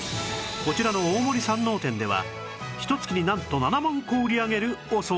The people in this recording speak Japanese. こちらの大森山王店ではひと月になんと７万個を売り上げるお惣菜